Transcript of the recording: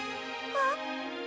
あっ？